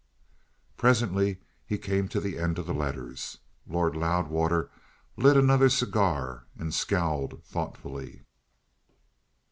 Presently they came to the end of the letters. Lord Loudwater lit another cigar, and scowled thoughtfully.